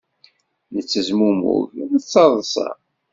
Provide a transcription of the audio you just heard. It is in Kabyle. Nettezmumug nettaḍsa.